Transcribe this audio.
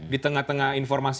di tengah tengah informasi